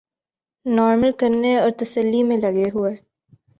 normal کرنے اور تسلی میں لگے ہوئے